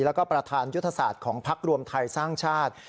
แล้วก็ประธานยุทธศาสตร์ของพักรวมไทยสร้างชาติ